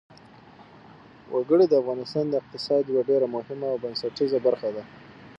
وګړي د افغانستان د اقتصاد یوه ډېره مهمه او بنسټیزه برخه ده.